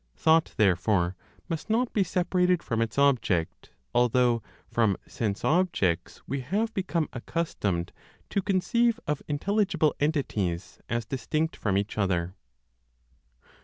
Thought, therefore, must not be separated from its object, although, from sense objects, we have become accustomed to conceive of intelligible entities as distinct from each other.